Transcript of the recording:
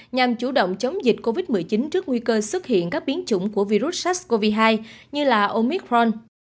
nhằm chủ động chống dịch covid một mươi chín trước nguy cơ xuất hiện các biến chủng của virus sars cov hai như omicron